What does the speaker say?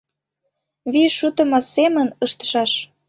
Вий шутымо семын ыштышаш.